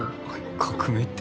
革命って？